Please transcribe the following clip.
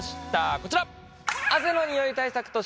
こちら！